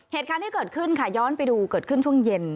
เหตุการณ์ที่เกิดขึ้นค่ะย้อนไปดูเกิดขึ้นช่วงเย็น